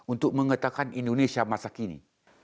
untuk mengatakan indonesia masa kini